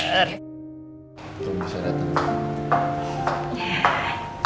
nanti saya dateng ya